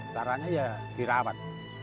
caranya ya dirawat